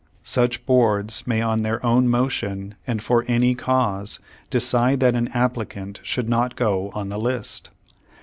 Such boards may on their own motion and for any cause decide that an applicant should not go on the list.